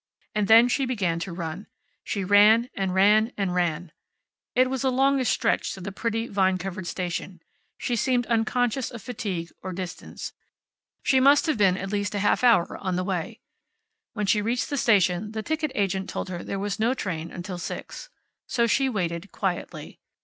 And then she began to run. She ran, and ran, and ran. It was a longish stretch to the pretty, vine covered station. She seemed unconscious of fatigue, or distance. She must have been at least a half hour on the way. When she reached the station the ticket agent told her there was no train until six. So she waited, quietly.